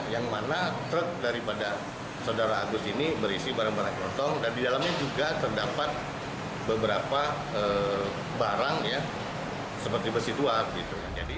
yang mana truk daripada saudara agus ini berisi barang barang kosong dan di dalamnya juga terdapat beberapa barang ya seperti besi tuap gitu